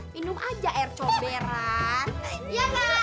minum aja air comberan